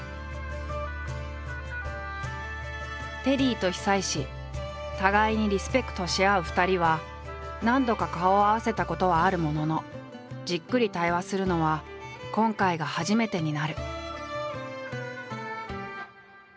テリーと久石互いにリスペクトし合う２人は何度か顔を合わせたことはあるもののじっくり対話するのは今回が初めてになる。